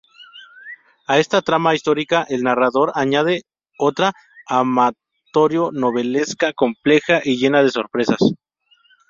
A esta trama histórica, el narrador añade otra amatorio-novelesca, compleja y llena de sorpresas.